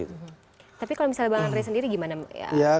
tapi kalau misalnya bang andri sendiri bagaimana